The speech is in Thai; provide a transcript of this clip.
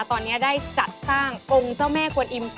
ตอนนี้ได้จัดสร้างองค์เจ้าแม่กวนอิ่ม